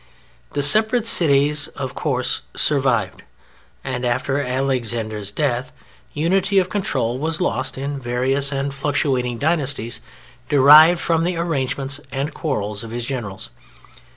The separate cities, of course, survived, and after Alexander's death unity of control was lost in various and fluctuating dynasties derived from the arrangements and quarrels of his generals.